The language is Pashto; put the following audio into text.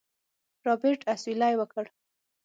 رابرټ اسويلى وکړ.